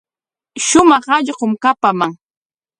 Shumaq allqum kapaman.